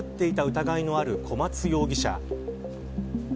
疑いのある小松容疑者。